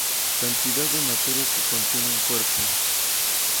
Cantidad de materia que contiene un cuerpo.